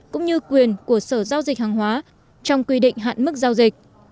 cũng như quyền của sở giao dịch hàng hóa trong quy định hạn mức giao dịch